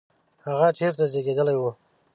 هغه چیرته زیږېدلی و؟